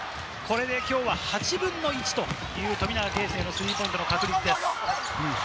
きょうは８分の１という富永啓生のスリーポイントの確率です。